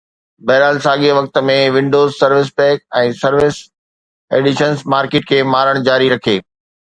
بهرحال، ساڳئي وقت ۾، Windows service pack ۽ server editions market کي مارڻ جاري رکي